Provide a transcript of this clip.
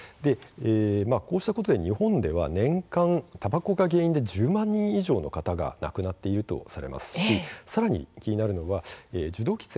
こうしたことで日本では年間たばこが原因で１０万人以上の方が亡くなっているとされていますしさらに気になるのは受動喫煙。